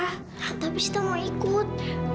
hah tapi kita mau ikut